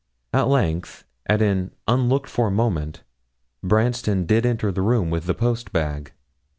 At length, at an unlooked for moment, Branston did enter the room with the post bag.